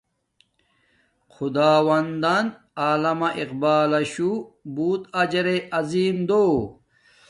خداوندان علامہ اقبال لشو بوتک اجرعظیم دو